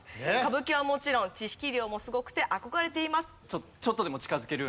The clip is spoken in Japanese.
「歌舞伎はもちろん知識量もすごくて憧れています」。